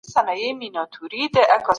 جنګونه د کینې حاصل دی.